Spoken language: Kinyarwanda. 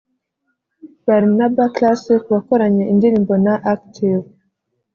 Barnaba Classic wakoranye indirimbo na Active